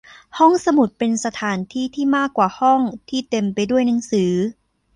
ห้องสมุดเป็นสถานที่ที่มากกว่าห้องที่เต็มไปด้วยหนังสือ